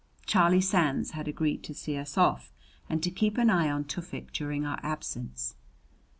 Charlie Sands had agreed to see us off and to keep an eye on Tufik during our absence.